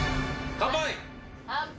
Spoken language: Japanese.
乾杯。